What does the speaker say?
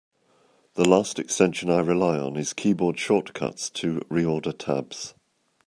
The last extension I rely on is Keyboard Shortcuts to Reorder Tabs.